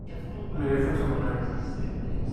Mais les voeux tourne mal...